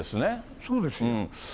そうですよね。